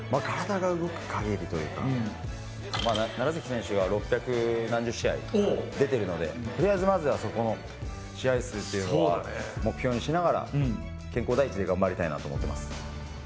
選手が六百何十試合出てるのでとりあえずまずはそこの試合数っていうのは目標にしながら健康第一で頑張りたいなと思ってます。